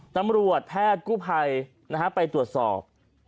ตำรวจแพทย์กู้ภัยไปตรวจสอบ